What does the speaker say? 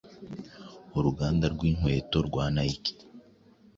uruganda rw’inkweto rwa Nike